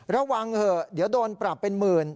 ระวังเถอะเดี๋ยวโดนปรับเป็นหมื่น